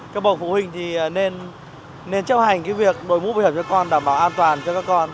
các bậc phụ huynh nên chấp hành việc đổi mũi hợp cho con đảm bảo an toàn cho các con